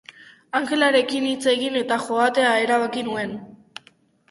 Angelarekin hitz egin eta joatea erabaki nuen.